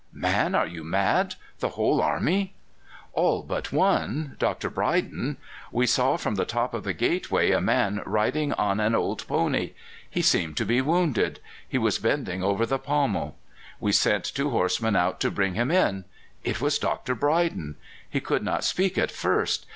man, are you mad? The whole army?" "All but one Dr. Brydon! We saw from the top of the gateway a man riding on an old pony. He seemed to be wounded; he was bending over the pommel. We sent two horsemen out to bring him in it was Dr. Brydon. He could not speak at first.